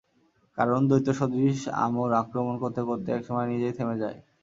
কারণ, দৈত্যসদৃশ আমর আক্রমণ করতে করতে এক সময় নিজেই থেমে যায়।